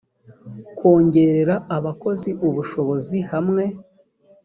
kongerera abakozi ubushobozi hamwe